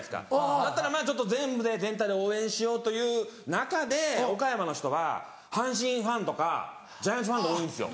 だったらまぁ全体で応援しようという中で岡山の人は阪神ファンとかジャイアンツファンが多いんですよ。